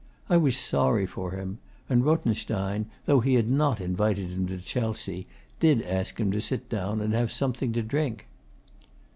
I was sorry for him; and Rothenstein, though he had not invited him to Chelsea, did ask him to sit down and have something to drink.